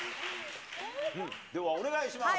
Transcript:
ではお願いします。